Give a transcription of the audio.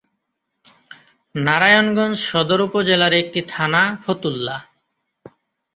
নারায়ণগঞ্জ সদর উপজেলার একটি থানা ফতুল্লা।